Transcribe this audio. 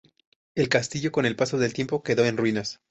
El castillo, con el paso del tiempo, quedó en ruinas.